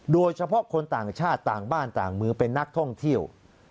โดยเฉพาะคนต่างชาติต่างบ้านต่างมือเป็นนักท่องเที่ยว